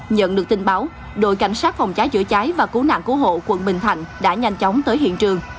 nhận được tin báo đội cảnh sát phòng cháy chữa cháy và cứu nạn cứu hộ quận bình thạnh đã nhanh chóng tới hiện trường